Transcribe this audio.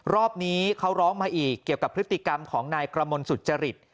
รอบนี้เขาร้องมาอีกเกี่ยวกับพฤติกรรมของนายกระมนสุจริต